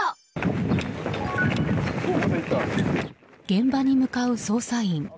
現場に向かう捜査員。